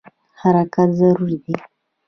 حرکت ضروري دی.